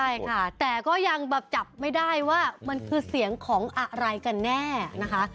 ใช่ค่ะแต่ก็ยังแบบจับไม่ได้ว่ามันคือเสียงของอะไรกันแน่นะคะ